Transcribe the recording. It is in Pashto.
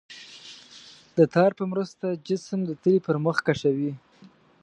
د تار په مرسته جسم د تلې پر مخ کشوي.